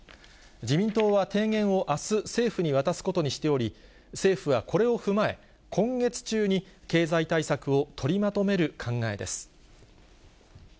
自民党は提言をあす、政府に渡すことにしており、政府はこれを踏まえ、今月中に経済対策を取りまとめる考えです。